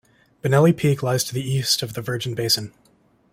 Bonelli Peak lies to the east of the Virgin Basin.